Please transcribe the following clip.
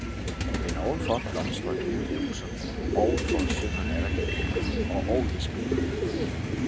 Men ovenfor blomstrer nye roser, ovenfor synger nattergalen, og orglet spiller